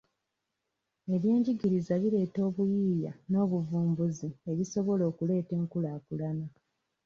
Eby'enjigiriza bireeta obuyiiya n'obuvumbuzi ebisobola okuleeta enkulaakulana.